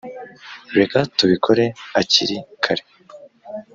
reka tubikore akiri kare